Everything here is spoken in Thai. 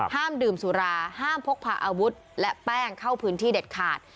ห้ามดื่มสุราห้ามพกพาอาวุธและแป้งเข้าพื้นที่เด็ดขาด